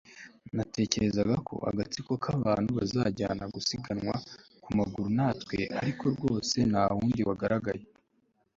natekerezaga ko agatsiko k'abantu bazajyana gusiganwa ku maguru natwe, ariko rwose ntawundi wagaragaye